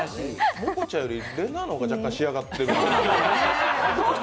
モコちゃんよりれなぁの方が若干仕上がってる。